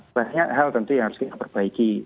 banyak hal tentu yang harus kita perbaiki